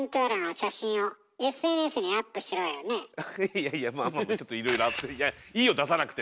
いやいやまあまあちょっといろいろあっていやいいよ出さなくて！